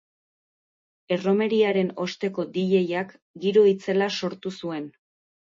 Erromeriaren osteko dj-ak giro itzela sortu zuen.